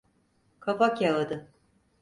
Kafakağıdı.